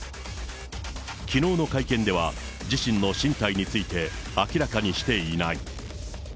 きのうの会見では、自身の進退について、明らかにしていない。